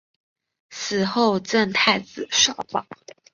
死后赠太子少保。